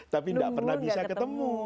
tapi tidak pernah bisa ketemu